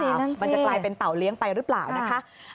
มันนั้นสิมันนั้นสิมันจะกลายเป็นเตาเลี้ยงไปรึเปล่านะคะ